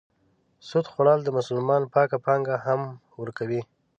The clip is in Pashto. سود خوړل د مسلمان پاکه پانګه هم ورکوي.